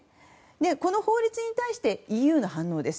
この法律に対してＥＵの反応です。